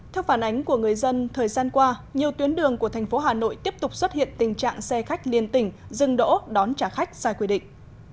theo phản ánh của người dân thời gian qua nhiều tuyến đường của thành phố hà nội tiếp tục xuất hiện tình trạng xe khách liên tỉnh dừng đỗ đón trả khách sai quy định